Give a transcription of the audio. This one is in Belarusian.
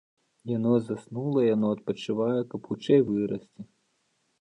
Яно заснула, яно адпачывае, каб хутчэй вырасці.